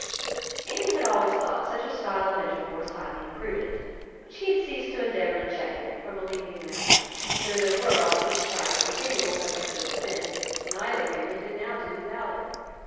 Anne had always thought such a style of intercourse highly imprudent; but she had ceased to endeavour to check it, from believing that, though there were on each side continual subjects of offence, neither family could now do without it.